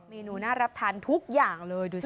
น่ารับทานทุกอย่างเลยดูสิ